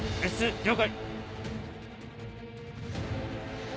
了解！